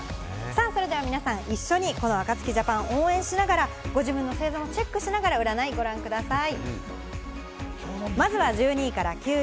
それでは皆さん、一緒にこのＡＫＡＴＳＵＫＩＪＡＰＡＮを応援しながらご自分の星座をチェックしながら、占いをご覧ください。